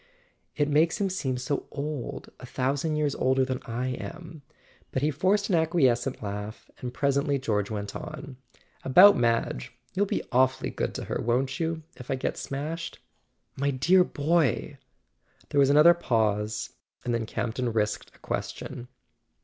" It makes him seem so old—a thou¬ sand years older than I am." But he forced an acquies¬ cent laugh, and presently George went on: "About Madge—you'll be awfully good to her, won't you, if I get smashed?" "My dear boy!" There was another pause, and then Campton risked a question.